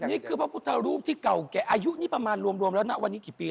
อีกคือว่าพระพุทธรูปที่เก่ากระยังอายุรวมแล้ววันนี้กี่ปี